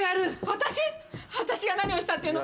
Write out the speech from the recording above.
私が何をしたっていうの？